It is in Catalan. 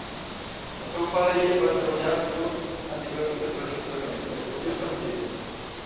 El seu pare i ell van treballar junts en diversos enregistraments i actuacions en viu.